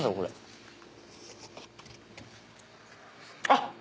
あっ！